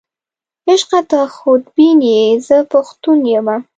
عشقه ته خودبین یې، زه پښتون یمه.